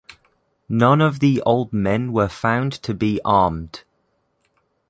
None of the old men were found to be armed.